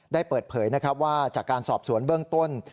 ได้เปิดเผยว่าจากการสอบสวนเบื้องต้น